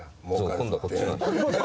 今度はこっちが。